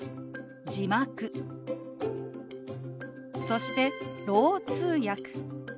そして「ろう通訳」。